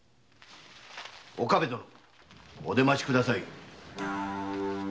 岡部殿お出ましください。